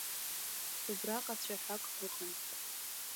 Убраҟа цәаҳәак ыҟан.